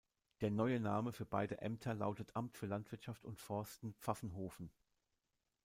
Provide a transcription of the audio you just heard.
Der neue Name für beide Ämter lautet "Amt für Landwirtschaft und Forsten Pfaffenhofen".